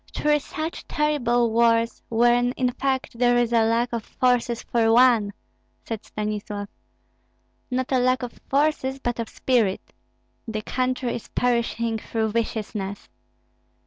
"Three such terrible wars, when in fact there is a lack of forces for one," said Stanislav. "Not a lack of forces, but of spirit. The country is perishing through viciousness.